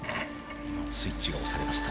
スイッチが押されました。